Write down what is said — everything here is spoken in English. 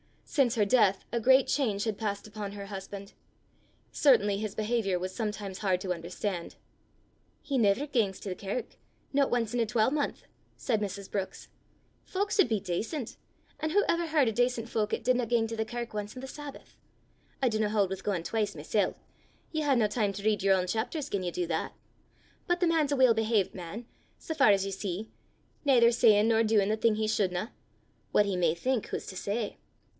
Since her death a great change had passed upon her husband. Certainly his behaviour was sometimes hard to understand. "He never gangs to the kirk no ance in a twalmonth!" said Mrs. Brookes. "Fowk sud be dacent, an' wha ever h'ard o' dacent fowk 'at didna gang to the kirk ance o' the Sabbath! I dinna haud wi' gaein' twise mysel': ye hae na time to read yer ain chapters gien ye do that. But the man's a weel behavet man, sae far as ye see, naither sayin' nor doin' the thing he shouldna: what he may think, wha's to say!